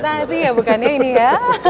rahasia bukannya ini ya